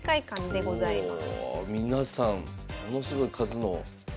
皆さんものすごい数の。